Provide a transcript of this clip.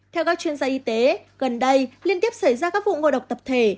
theo các chuyên gia y tế gần đây liên tiếp xảy ra các vụ ngộ độc tập thể